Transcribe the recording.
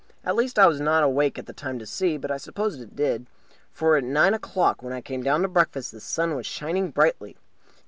At least, I was not awake at the time to see, but I suppose it did; for at nine o'clock, when I came down to breakfast, the sun was shining brightly.